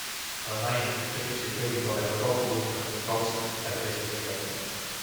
Olen Animated Dreamsi köögipoolega kokku puutunud vaid kaudselt, läbi teiste tegijate.